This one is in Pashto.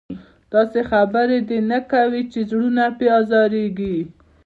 داسې خبره دې نه کوي چې زړونه پرې ازارېږي.